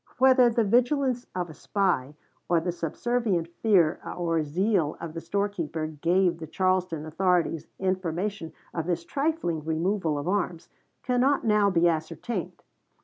Whether the vigilance of a spy or the subservient fear or zeal of the storekeeper gave the Charleston authorities information of this trifling removal of arms, cannot now be ascertained.